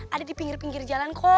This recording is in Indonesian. ada di pinggir pinggir jalan kok